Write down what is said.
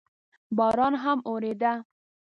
باران هم اورېده.